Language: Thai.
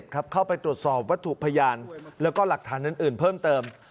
เข้าไปตรวจสอบวัตถุพยานแล้วก็หลักฐานอื่นเพิ่มเติม